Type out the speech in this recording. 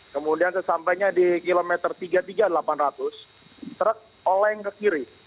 kemudian sesampainya di kilometer tiga puluh tiga delapan ratus truk oleng ke kiri